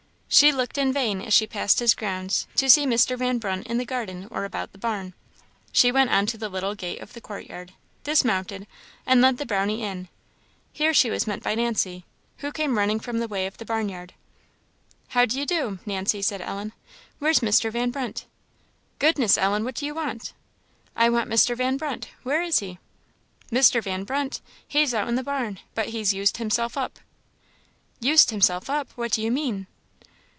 She looked in vain, as she passed his grounds, to see Mr. Van Brunt in the garden or about the barn. She went on to the little gate of the courtyard, dismounted, and led the Brownie in. Here she was met by Nancy, who came running from the way of the barnyard. "How d'ye do, Nancy?" said Ellen; "where's Mr. Van Brunt?" "Goodness, Ellen! what do you want?" "I want Mr. Van Brunt where is he?" "Mr. Van Brunt! he's out in the barn; but he's used himself up." "Used himself up; what do you mean?"